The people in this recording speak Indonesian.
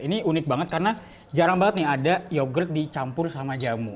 ini unik banget karena jarang banget nih ada yogurt dicampur sama jamu